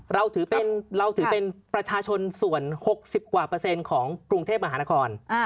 เราถือเป็นประชาชนส่วน๖๐กว่าเปอร์เซ็นต์ของกรุงเทพมหานคร